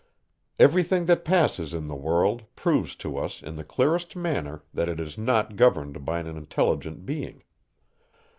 Every thing that passes in the world, proves to us, in the clearest manner, that it is not governed by an intelligent being.